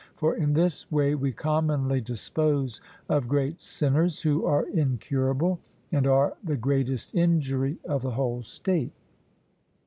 For in this way we commonly dispose of great sinners who are incurable, and are the greatest injury of the whole state.